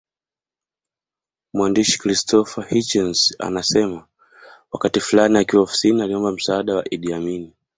Mwandishi Christopher Hitchens anasema wakati fulani akiwa ofisini aliomba msaada wa Idi Amin